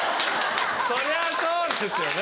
そりゃそうですよね！